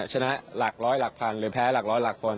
ชนะหลักร้อยหลักพันหรือแพ้หลักร้อยหลักพัน